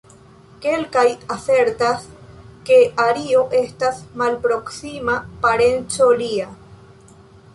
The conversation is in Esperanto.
Kelkaj asertas, ke Ario estas malproksima parenco lia.